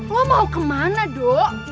lo mau kemana do